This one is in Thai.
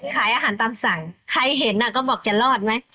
ขายอาหารตามสั่งใครเห็นก็บอกจะรอดไหม